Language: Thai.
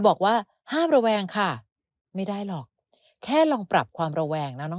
บอกว่าห้ามระแวงค่ะไม่ได้หรอกแค่ลองปรับความระแวงนะน้อง